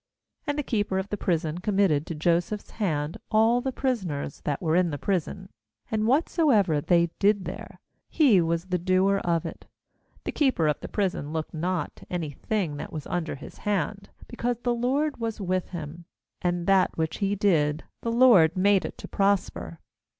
^And the keeper of the prison committed to Joseph's hand all the prisoners that were in the prison; and whatsoever they did there, he was the doer of it. ^The keeper of the prison looked not to any thing that was under his hand, because the LORD was with him; and that which he did, the LORD made it to prosper.